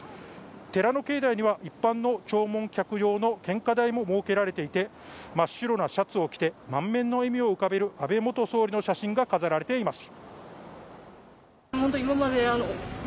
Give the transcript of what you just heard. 寺の境内には、一般の弔問客用の献花台も設けられていて真っ白なシャツを着て満面の笑みを浮かべる安倍元総理の写真が飾られています。